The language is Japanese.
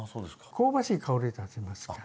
香ばしい香りが立ちますから。